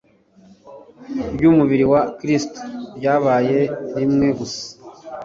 ry'umubiri wa kristu ryabaye rimwe gusa